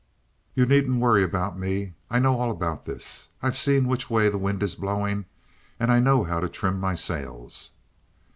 You needn't worry about me. I know all about this. I've seen which way the wind is blowing, and I know how to trim my sails."